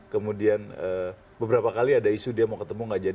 kemudian beberapa kali ada isu dia mau ketemu gak jadi